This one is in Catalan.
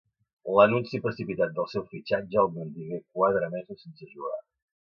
L'anunci precipitat del seu fitxatge el mantingué quatre mesos sense jugar.